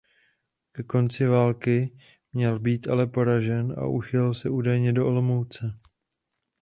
Ke konci války měl být ale poražen a uchýlil se údajně do Olomouce.